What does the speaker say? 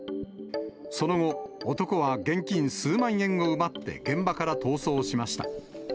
その後、男は現金数万円を奪って現場から逃走しました。